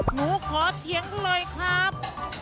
หนูขอเถียงเลยครับ